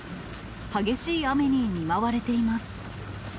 激しい雨に見舞われています。